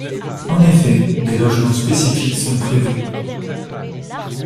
En effet, des logements spécifiques sont prévus.